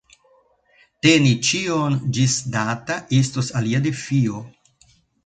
Teni ĉion ĝisdata estos alia defio.